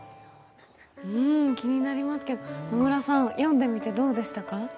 気になりますけど、野村さん読んでみてどうでしたか？